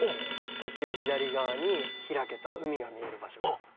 途中左側に開けた海が見える場所が。